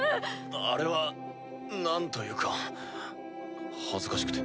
あれはなんというか恥ずかしくて。